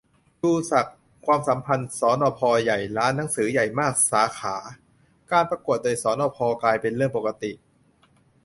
ชูศักดิ์ : ความสัมพันธ์ สนพ.ใหญ่-ร้านหนังสือใหญ่มากสาขา-การประกวดโดยสนพ กลายเป็นเรื่องปกติ